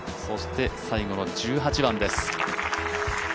そして最後の１８番です。